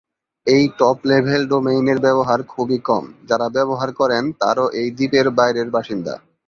এই top level ডোমেইনের ব্যবহার খুবই কম; যারা ব্যবহার করেন তারও এই দ্বীপের বাইরের বাসিন্দা।